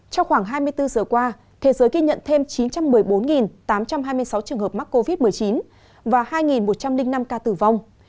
trong khoảng hai mươi bốn giờ qua thế giới ghi nhận thêm chín trăm một mươi bốn tám trăm hai mươi sáu trường hợp mắc covid một mươi chín và hai một trăm linh năm ca tử vong